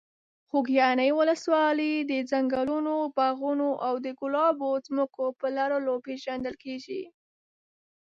خوږیاڼي ولسوالۍ د ځنګلونو، باغونو او د ګلابو ځمکو په لرلو پېژندل کېږي.